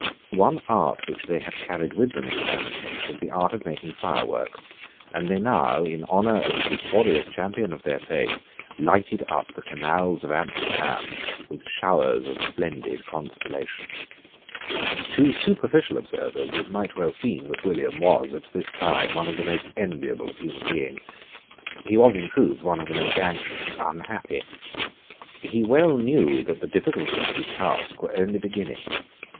One art which they had carried with them into banishment was the art of making fireworks; and they now, in honour of the victorious champion of their faith, lighted up the canals of Amsterdam with showers of splendid constellations. To superficial observers it might well seem that William was, at this time, one of the most enviable of human beings. He was in truth one of the most anxious and unhappy. He well knew that the difficulties of his task were only beginning.